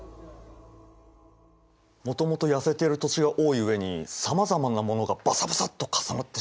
もともと痩せてる土地が多い上にさまざまなものがバサバサッと重なってしまってるんだな。